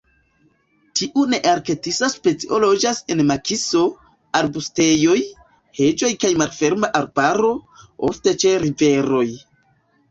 Tiu nearktisa specio loĝas en makiso, arbustejoj, heĝoj kaj malferma arbaro, ofte ĉe riveroj.